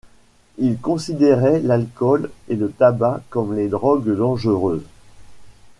Il considérait l'alcool et le tabac comme les drogues dangereuses.